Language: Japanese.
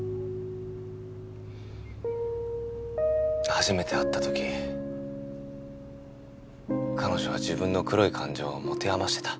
初めて会った時彼女は自分の黒い感情を持て余してた。